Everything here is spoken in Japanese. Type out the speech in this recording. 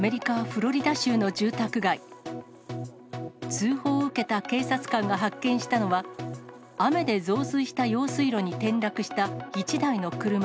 通報を受けた警察官が発見したのは、雨で増水した用水路に転落した一台の車。